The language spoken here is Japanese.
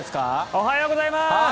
おはようございます。